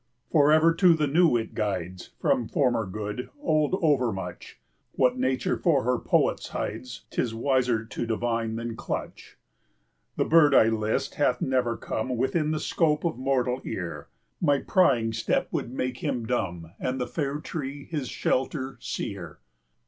Forever to the new it guides, From former good, old overmuch; What Nature for her poets hides, 'Tis wiser to divine than clutch. 20 The bird I list hath never come Within the scope of mortal ear; My prying step would make him dumb, And the fair tree, his shelter, sear.